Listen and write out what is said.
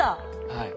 はい。